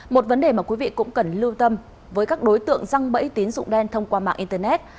một vấn đề mà quý vị cũng cần lưu tâm với các đối tượng răng bẫy tín dụng đen thông qua mạng internet